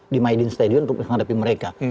di miding stadium untuk menghadapi mereka